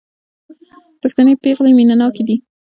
پښتنې پېغلې مينه ناکه دي